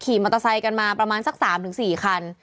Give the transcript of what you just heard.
มอเตอร์ไซค์กันมาประมาณสัก๓๔คัน